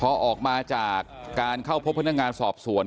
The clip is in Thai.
อะไรนะครับพอออกมาจากการเข้าพบพนักงานสอบส่วน